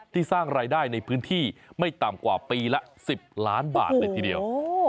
สร้างรายได้ในพื้นที่ไม่ต่ำกว่าปีละ๑๐ล้านบาทเลยทีเดียว